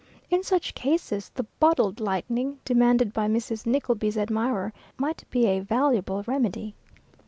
In such cases the "bottled lightning," demanded by Mrs. Nickleby's admirer, might be a valuable remedy.